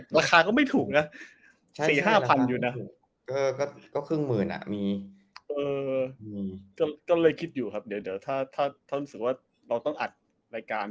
รายการออนไลน์สัตว์ระยะใหญ่เนี่ยอาจจะจำเป็นต้องใช้